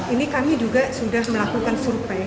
ini kami juga sudah melakukan survei